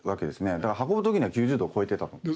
だから運ぶ時には９０度を超えてたと思う。